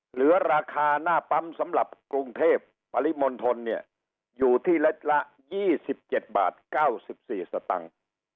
เหลือราคาหน้าปั๊มสำหรับกรุงเทพปริมณฑลเนี่ยอยู่ที่เล็ดละ๒๗บาท๙๔สตังค์